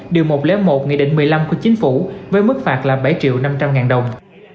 điều một trăm linh một nghị định một mươi năm của chính phủ với mức phạt là bảy triệu năm trăm linh ngàn đồng